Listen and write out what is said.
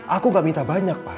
aku gak minta banyak pak